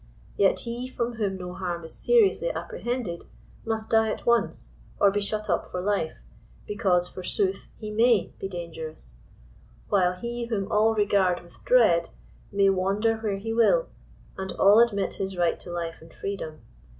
Yet he from whom no harm is seriously apprehended must die at once, or be shut up for life, because forsooth he may be dangerous ; while he whom all regard with dread may wander where ha will, and all admit his right to life and freedom.